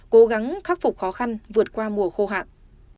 cố gắng khắc phục khó khăn vượt qua mùa khô hạn